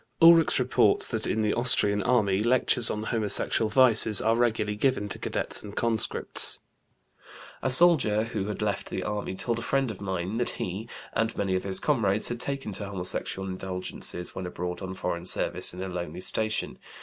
Ulrichs reports that in the Austrian army lectures on homosexual vices are regularly given to cadets and conscripts (Memnon, p. 26). A soldier who had left the army told a friend of mine that he and many of his comrades had taken to homosexual indulgences when abroad on foreign service in a lonely station.